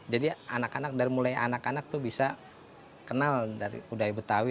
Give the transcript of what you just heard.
jadi anak anak dari mulai anak anak tuh bisa kenal dari budaya betawi